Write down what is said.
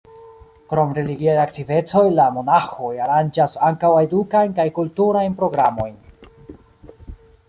Krom religiaj aktivecoj la monaĥoj aranĝas ankaŭ edukajn kaj kulturajn programojn.